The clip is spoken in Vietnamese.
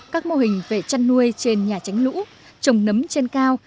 các mô hình về chăn nuôi trên nhà tránh lũ trồng nấm trên cao